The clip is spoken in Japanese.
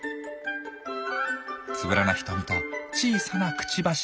つぶらな瞳と小さなくちばし。